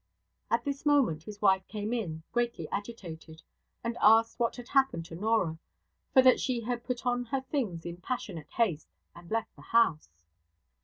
At this moment his wife came in, greatly agitated, and asked what had happened to Norah; for that she had put on her things in passionate haste, and left the house.